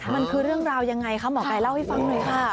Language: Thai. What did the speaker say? มันคือเรื่องราวยังไงคะหมอไก่เล่าให้ฟังหน่อยค่ะ